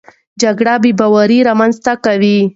جګړه بېباوري رامنځته کوي.